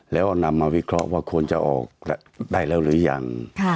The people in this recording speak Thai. แล้วนำมาวิเคราะห์ว่าควรจะออกได้แล้วหรือยัง